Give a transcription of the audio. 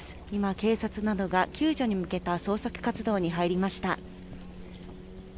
警察などが救助に向けた捜索活動に入りました。